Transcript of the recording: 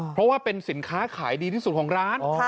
เพราะว่าเป็นสินค้าขายดีที่สุดของร้าน